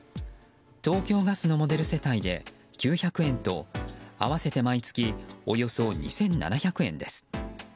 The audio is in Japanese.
東京ガスのモデル世帯で９００円と合わせて毎月およそ２７００円です。